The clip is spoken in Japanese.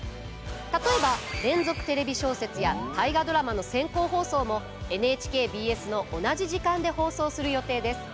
例えば「連続テレビ小説」や「大河ドラマ」の先行放送もＮＨＫＢＳの同じ時間で放送する予定です。